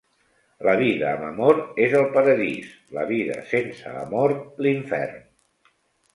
La vida amb amor és el paradís; la vida sense amor, l'infern.